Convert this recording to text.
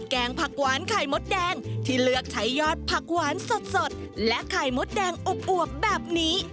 แกงผักหวานไข่มดแดงที่เลือกใช้ยอดผักหวานสดและไข่มดแดงอวบแบบนี้